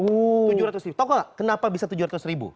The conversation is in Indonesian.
tujuh ratus ribu tau gak kenapa bisa tujuh ratus ribu